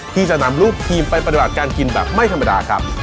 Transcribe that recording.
ที่จะนำลูกทีมไปปฏิบัติการกินแบบไม่ธรรมดาครับ